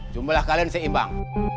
jumlah kalian seimbang